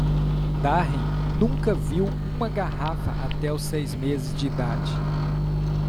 Darren nunca viu uma garrafa até os seis meses de idade.